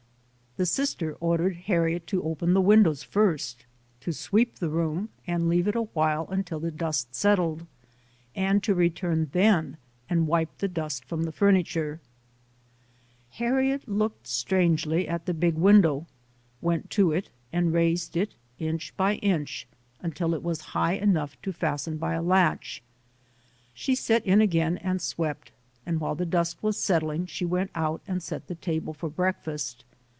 The sister ordered Harriet to open the win dows first, to sweep the room and leave it a while until the dust settled, and to return then and wipe the dust from the furniture. 90 ] UNSUNG HEROES Harriet looked strangely at the big window, went to it and raised it inch by inch until it was high enough to fasten by a latch. She set in again and swept, and while the dust was settling, she went out and set the table for breakfast.